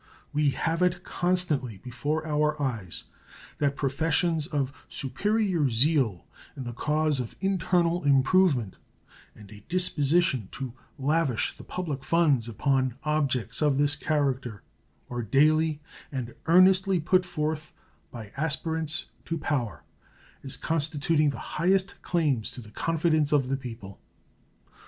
We have it constantly before our eyes that professions of superior zeal in the cause of internal improvement and a disposition to lavish the public funds upon objects of this character are daily and earnestly put forth by aspirants to power as constituting the highest claims to the confidence of the people.